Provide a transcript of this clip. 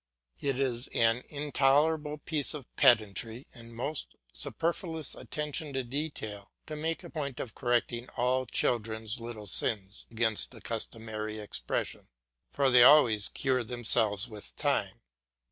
It is an intolerable piece of pedantry and most superfluous attention to detail to make a point of correcting all children's little sins against the customary expression, for they always cure themselves with time.